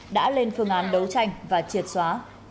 đã lên phương án đấu tranh và triệt xóa